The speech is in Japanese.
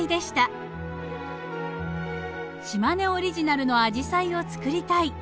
島根オリジナルのアジサイをつくりたい。